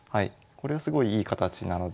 これはすごいいい形なので。